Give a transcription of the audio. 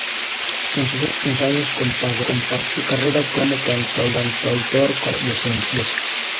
En sus últimos años compaginó su carrera como cantautor con el de la docencia.